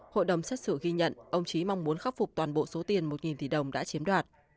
hội đồng xét xử ghi nhận ông trí mong muốn khắc phục toàn bộ số tiền một tỷ đồng đã chiếm đoạt